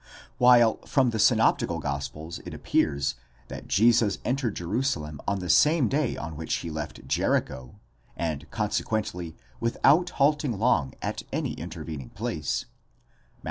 While from the synoptical gospels it appears, that Jesus entered Jerusalem on the same day on which he left Jericho, and consequently without halting long at any intervening place (Matt.